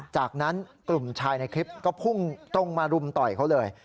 จากนั้นกลุ่มชายในคลิปก็พุ่งตรงมารุมต่อยเขาเลย